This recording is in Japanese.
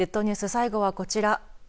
最後はこちら。